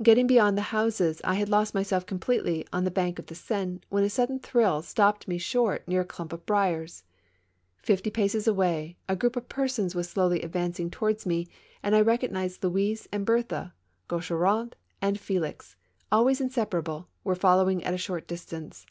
Getting beyond the houses, 1 had lost myself completely on the bank of the Seine when a sudden thrill stopped me short near a clump of briars. Fifty paces away, a group of persons was slowly advancing towards me, and I recognized Louise and Berthe; Gaucheraud and Fdlix, always inseparable, were following at a short distance.